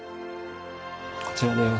こちらです。